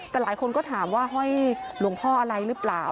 แต่หลายคนก็ถามว่าห้อยหลวงพ่ออะไรหรือเปล่า